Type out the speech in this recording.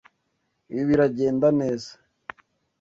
Ibi biragenda neza.